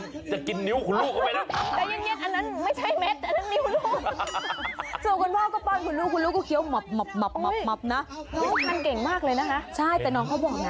พันธุเรียนเก่งมากเลยโอ้โหโอ้โหโอ้โหโอ้โห